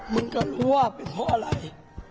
มึงก็รู้ว่าเพราะอะไร